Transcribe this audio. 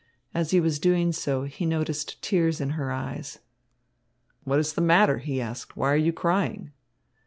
As he was doing so, he noticed tears in her eyes. "What is the matter?" he asked. "Why are you crying?"